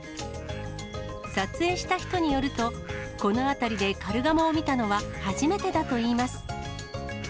撮影した人によると、この辺りでカルガモを見たのは初めてだといいます。